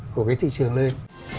của cái thị trường lên